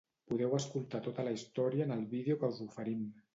Podeu escoltar tota la història en el vídeo que us oferim.